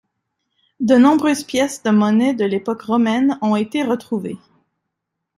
De nombreuses pièces de monnaie de l'époque romaine ont été retrouvées.